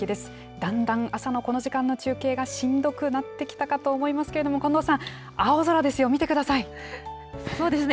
だんだん朝のこの時間の中継がしんどくなってきたかと思いますけれども、近藤さん、青空ですよ、そうですね。